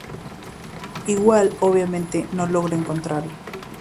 Igual, obviamente, no logra encontrarla.